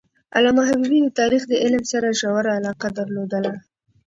علامه حبیبي د تاریخ د علم سره ژوره علاقه درلودله.